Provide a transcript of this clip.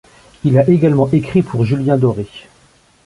Il a également écrit pour Julien Doré.